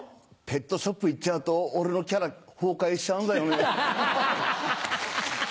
ペットショップ行っちゃうと俺のキャラ崩壊しちゃうんだよね。